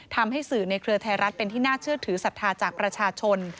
ทำให้สื่อในเครือไทยรัฐเป็นที่น่าเชื่อถือศรัทธาจากประชาชน